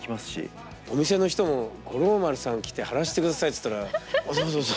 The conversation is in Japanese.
お店の人も五郎丸さん来て貼らせて下さいっつったらああ